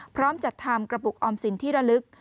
พร้อมจัดทำกระปุกออมสินที่ระลึก